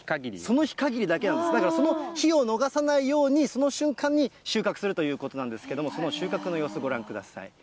その日かぎりだけなんですね、だからその日を逃さないように、その瞬間に収穫するということなんですけど、その収穫の様子、ご覧ください。